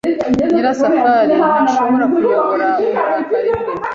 Nyirasafari ntashobora kuyobora uburakari bwe.